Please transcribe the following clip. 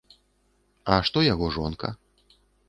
А што яго жонка?